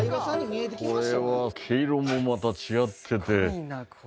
これは毛色もまた違ってて。